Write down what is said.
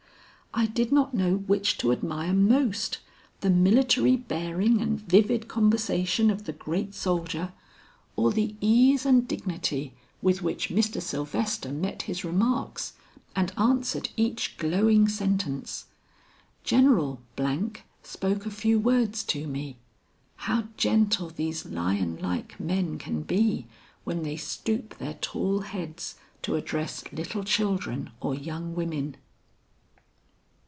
I did not know which to admire most, the military bearing and vivid conversation of the great soldier, or the ease and dignity with which Mr. Sylvester met his remarks and answered each glowing sentence. General spoke a few words to me. How gentle these lion like men can be when they stoop their tall heads to address little children or young women!"